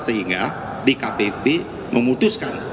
sehingga di kpp memutuskan